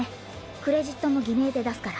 クレジットもぎめいでだすから。